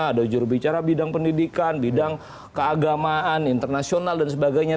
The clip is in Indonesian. ada jurubicara bidang pendidikan bidang keagamaan internasional dan sebagainya